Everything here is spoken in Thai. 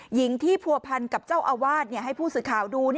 หญิงที่ผัวพันกับเจ้าอาวาสให้ผู้สื่อข่าวดู